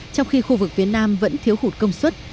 trong khi khu vực phía nam vẫn thiếu hụt công suất